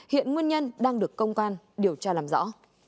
hiện nguyên nhân đang được công an điều tra làm rõ